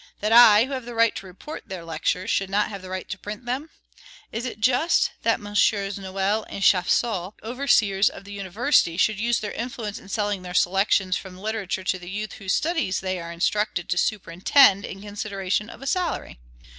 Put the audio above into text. that I, who have the right to report their lectures, should not have the right to print them? Is it just that MM. Noel and Chapsal, overseers of the University, should use their influence in selling their selections from literature to the youth whose studies they are instructed to superintend in consideration of a salary?